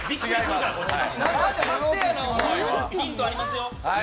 ヒントありますよ。